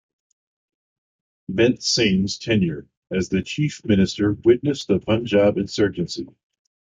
Beant Singh's tenure as the chief minister witnessed the Punjab insurgency.